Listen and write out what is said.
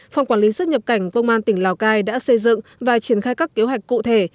phòng quản lý xuất nhập cảnh công an tỉnh lào cai đã xây dựng và triển khai các kế hoạch cụ thể